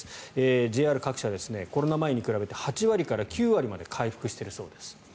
ＪＲ各社、コロナ前に比べて８割から９割まで回復しているそうです。